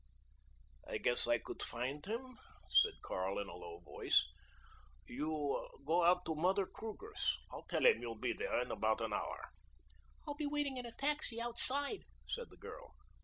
"I guess I could find him," said Carl in a low voice. "You go out to Mother Kruger's. I'll tell him you'll be there in about an hour." "I'll be waiting in a taxi outside," said the girl.